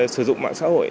sử dụng mạng xã hội